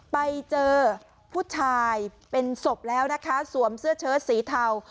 ไปเจอผู้ชายเป็นศพแล้วนะคะสวมเสื้อเชิดสีเทา